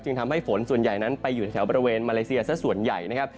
ทำให้ฝนส่วนใหญ่นั้นไปอยู่แถวบริเวณมาเลเซียซะส่วนใหญ่นะครับ